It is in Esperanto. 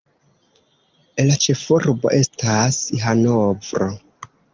La ĉefurbo estas Hanovro.